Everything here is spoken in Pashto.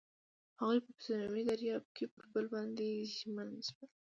هغوی په صمیمي دریاب کې پر بل باندې ژمن شول.